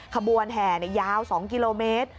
ขบวนแห่ยาว๒กิโลเมตร